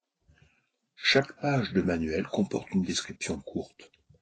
Chaque page de manuel comporte une description courte.